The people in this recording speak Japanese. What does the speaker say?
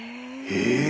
へえ。